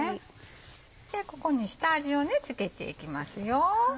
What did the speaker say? ここに下味を付けていきますよ。